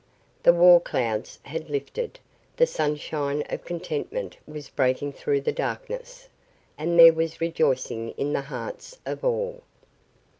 The war clouds had lifted, the sunshine of contentment was breaking through the darkness, and there was rejoicing in the hearts of all.